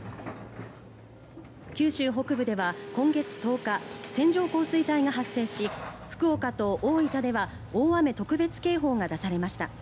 九州北部では今月１０日線状降水帯が発生し福岡と大分では大雨特別警報が出されました。